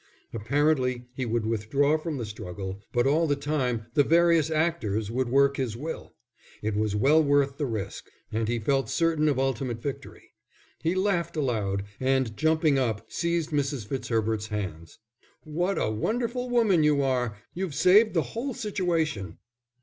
Apparently he would withdraw from the struggle, but all the time the various actors would work his will. It was well worth the risk, and he felt certain of ultimate victory. He laughed aloud, and jumping up, seized Mrs. Fitzherbert's hands. "What a wonderful woman you are! You've saved the whole situation."